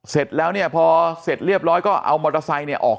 เสร็จแล้วเนี่ยพอเสร็จเรียบร้อยก็เอามอเตอร์ไซค์เนี่ยออก